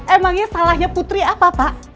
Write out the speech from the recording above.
emangnya salahnya putri apa pak